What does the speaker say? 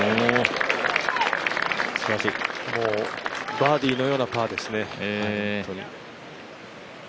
バーディーのようなパーですね、本当に。